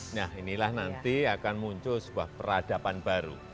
nah inilah nanti akan muncul sebuah peradaban baru